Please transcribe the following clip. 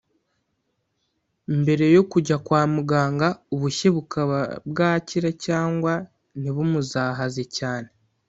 mbere yo kujya kwa muganga ubushye bukaba bwakira cyangwa ntibumuzahaze cyane